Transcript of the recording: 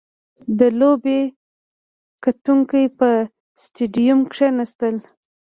• د لوبې کتونکي په سټېډیوم کښېناستل.